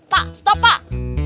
pak stop pak